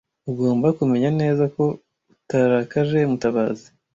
Ugomba kumenya neza ko utarakaje Mutabazi .